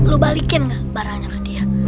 lu balikin gak barangnya ke dia